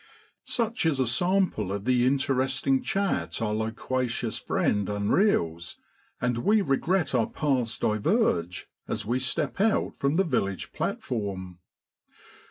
Such is a sample of the interesting chat our loquacious friend unreels, and we regret our paths diverge as we step out from the village platform.